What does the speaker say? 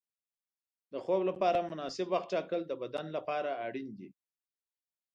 د خوب لپاره مناسب وخت ټاکل د بدن لپاره اړین دي.